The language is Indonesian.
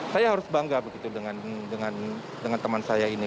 saya harus bangga begitu dengan teman saya ini